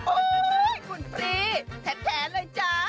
โอ๊ยคุณพรีแทนเลยจ๊ะ